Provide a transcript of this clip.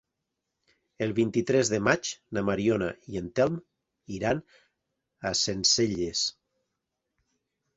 El vint-i-tres de maig na Mariona i en Telm iran a Sencelles.